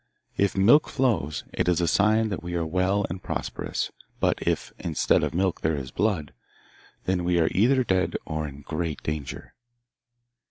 If milk flows, it is a sign that we are well and prosperous; but if, instead of milk, there is blood, then we are either dead or in great danger.